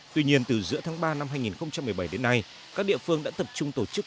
tuy nhiên từ giữa tháng ba năm hai nghìn một mươi bảy đến nay các địa phương đã tập trung tổ chức